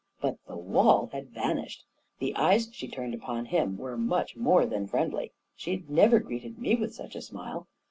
But the wall had vanished. The eyes she turned upon him were much more than friendly. She had never greeted me with such a smile.